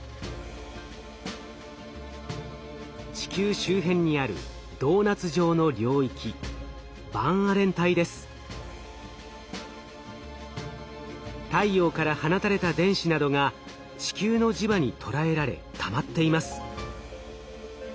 地球周辺にあるドーナツ状の領域太陽から放たれた電子などが地球の磁場にとらえられたまっています。